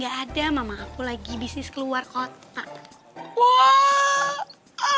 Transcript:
gak ada mama aku lagi bisnis keluar kota